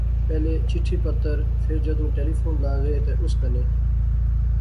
پہلے چٹھی پتر، فیر جدوں ٹیلیفون لاغے تے اس کنے